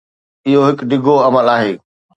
اهو هڪ ڊگهو عمل آهي.